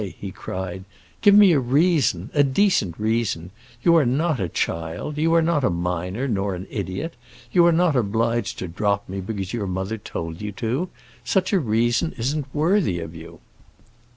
he cried. "Give me a reason—a decent reason. You are not a child—you are not a minor, nor an idiot. You are not obliged to drop me because your mother told you to. Such a reason isn't worthy of you."